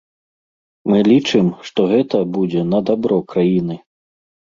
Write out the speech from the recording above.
Мы лічым, што гэта будзе на дабро краіны.